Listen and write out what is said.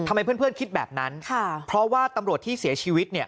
เพื่อนเพื่อนคิดแบบนั้นค่ะเพราะว่าตำรวจที่เสียชีวิตเนี่ย